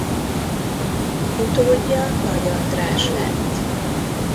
Utódja Nagy András lett.